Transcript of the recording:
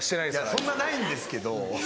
そんなないんですけど。